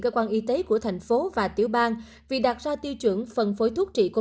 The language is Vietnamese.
các quan y tế của thành phố và tiểu bang vì đạt ra tiêu chuẩn phân phối thuốc trị covid một mươi chín